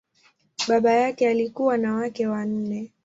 Baba yake alikuwa na wake wanne.